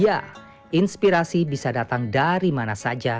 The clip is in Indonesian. ya inspirasi bisa datang dari mana saja